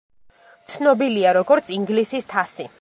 ცნობილია როგორც ინგლისის თასი.